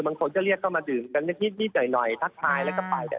บางคนก็เรียกเข้ามาดื่มกันนิดหน่อยทักทายแล้วก็ไปเนี่ย